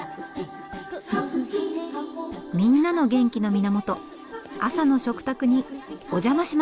みんなの元気の源朝の食卓にお邪魔します！